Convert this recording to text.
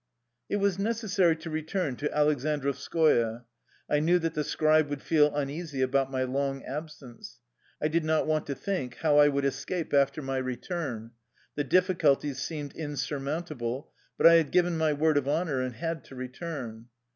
It was necessary to return to Aleksandrov skoye. I knew that the scribe would feel un easy about my long absence. I did not want to think how I would escape after my return: the difficulties seemed insurmountable, but I had given my word of honor, and had to re turn.